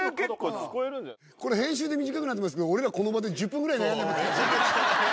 これ、編集で短くなってるけど、俺らこの場で１０分ぐらい悩んでましたからね。